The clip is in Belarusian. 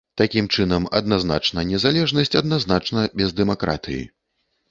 Такім чынам, адназначна незалежнасць адназначна без дэмакратыі.